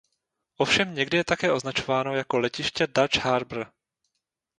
Ovšem někdy je také označováno jako Letiště Dutch Harbor.